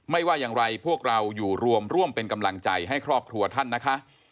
ว่าอย่างไรพวกเราอยู่รวมร่วมเป็นกำลังใจให้ครอบครัวท่านนะคะ